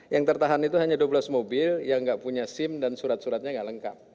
yang tertahan itu hanya dua belas mobil yang nggak punya sim dan surat suratnya nggak lengkap